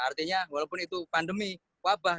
artinya walaupun itu pandemi wabah